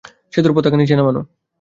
সেতুর পতাকা নিচে নামানো।